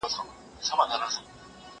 زه مخکي د لوبو لپاره وخت نيولی وو؟!